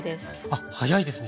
あ早いですね。